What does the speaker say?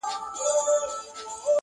ترخه د طعن به غوځار کړي هله.